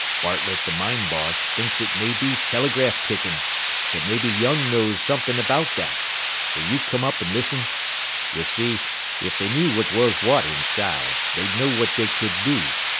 Bartlett, the mine boss, thinks it may be telegraph ticking that maybe Young knows something about that. Will you come up and listen? "You see, if they knew what was what inside, they'd know what they could do.